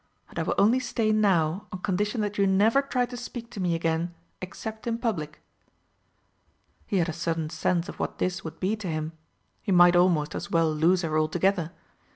And I will only stay now on condition that you never try to speak to me again except in public." He had a sudden sense of what this would be to him he might almost as well lose her altogether.